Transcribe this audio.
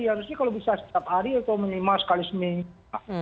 harusnya kalau bisa setiap hari atau minimal sekali seminggu